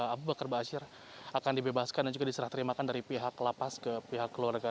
abu bakar ⁇ baasyir ⁇ akan dibebaskan dan juga diserah terimakan dari pihak lapas ke pihak keluarga